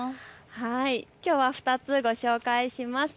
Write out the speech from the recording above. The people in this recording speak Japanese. きょうは２つご紹介します。